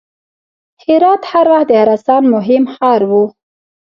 هرات هر وخت د خراسان مهم ښار و.